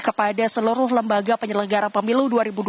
kepada seluruh lembaga penyelenggara pemilu dua ribu dua puluh